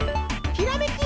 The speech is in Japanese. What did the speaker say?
ひらめき！